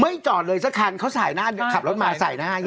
ไม่จอดเลยสักครั้งเขาขับรถมาใส่หน้าแง่